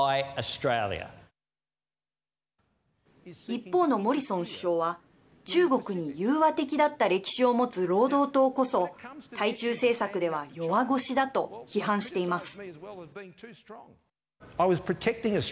一方のモリソン首相は中国に融和的だった歴史を持つ労働党こそ対中政策では弱腰だと批判しています。